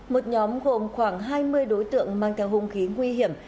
một nhóm gồm khoảng hai mươi đối tượng mang theo hung khí nguy hiểm